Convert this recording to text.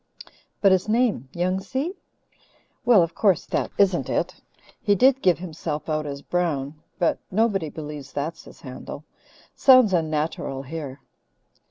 "But his name Young Si?" "Well, of course, that isn't it. He did give himself out as Brown, but nobody believes that's his handle sounds unnatteral here.